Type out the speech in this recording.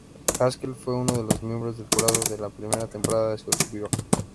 Haskell fue una de los miembros del jurado de la primera temporada de "Survivor".